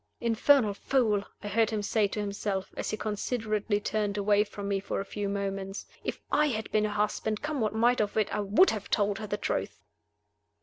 "Infernal fool!" I heard him say to himself, as he considerately turned away from me for a few moments. "If I had been her husband, come what might of it, I would have told her the truth!"